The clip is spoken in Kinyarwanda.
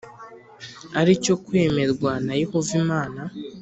ari cyo kwemerwa na Yehova Imana